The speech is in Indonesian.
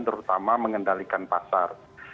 terutama mengendalikan pasal satu